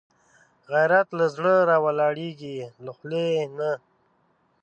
غیرت له زړه راولاړېږي، له خولې نه